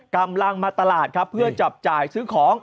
กำลังมาตลาดครับเพื่อจับจ่ายซื้อของ